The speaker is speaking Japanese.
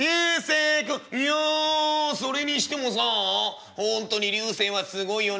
「いやそれにしてもさあほんとに流星はすごいよな。